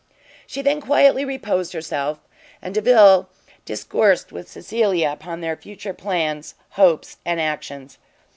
She then quietly reposed herself, and Delvile discoursed with Cecilia upon their future plans, hopes and actions.